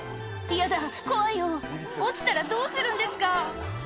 「嫌だ怖いよ落ちたらどうするんですか？」